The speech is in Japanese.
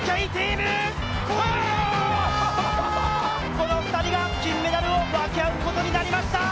この２人が金メダルを分け合うことになりました。